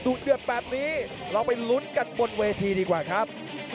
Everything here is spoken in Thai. เดือดแบบนี้เราไปลุ้นกันบนเวทีดีกว่าครับ